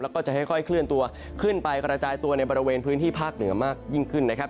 แล้วก็จะค่อยเคลื่อนตัวขึ้นไปกระจายตัวในบริเวณพื้นที่ภาคเหนือมากยิ่งขึ้นนะครับ